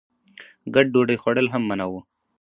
ګډ ډوډۍ خوړل هم منع وو.